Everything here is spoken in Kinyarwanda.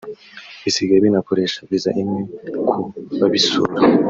bisigaye binakoresha Viza imwe ku babisura